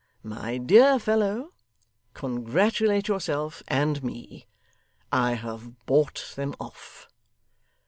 My dear fellow, congratulate yourself, and me. I have bought them off.